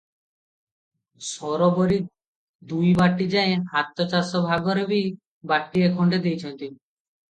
ସରବରି ଦୁଇ ବାଟିଯାଏ ହାତଚାଷ, ଭାଗରେ ବି ବାଟିଏ ଖଣ୍ଡେ ଦେଇଛନ୍ତି ।